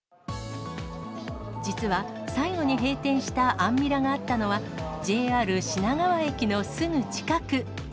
実は、最後に閉店したアンミラがあったのはＪＲ品川駅のすぐ近く。